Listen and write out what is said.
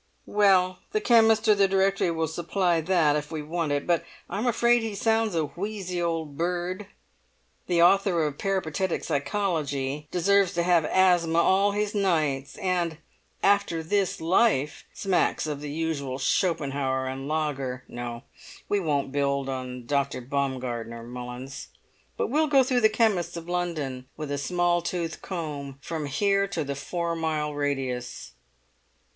"Well, the chemist or the directory will supply that if we want it, but I'm afraid he sounds a wheezy old bird. The author of Peripatetic Psychology deserves to have asthma all his nights, and After this Life smacks of the usual Schopenhauer and Lager. No, we won't build on Dr. Baumgartner, Mullins; but we'll go through the chemists of London with a small tooth comb, from here to the four mile radius."